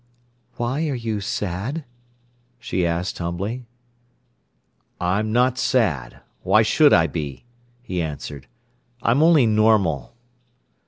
"Why are you sad?" she asked humbly. "I'm not sad; why should I be," he answered. "I'm only normal."